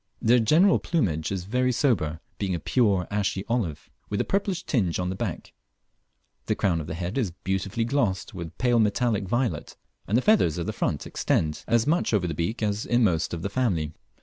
The general plumage is very sober, being a pure ashy olive, with a purplish tinge on the back; the crown of the head is beautifully glossed with pale metallic violet, and the feathers of the front extend as much over the beak as inmost of the family.